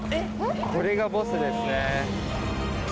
これがボスですね。